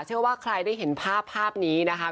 เชื่อว่าใครได้เห็นภาพภาพนี้นะคะ